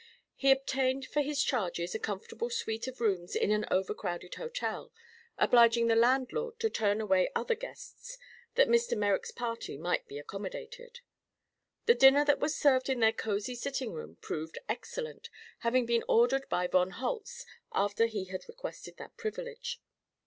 He obtained for his charges a comfortable suite of rooms in an overcrowded hotel, obliging the landlord to turn away other guests that Mr. Merrick's party might be accommodated. The dinner that was served in their cosy sitting room proved excellent, having been ordered by von Holtz after he had requested that privilege.